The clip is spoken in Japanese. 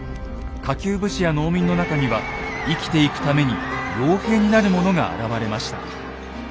下級武士や農民の中には生きていくために傭兵になる者が現れました。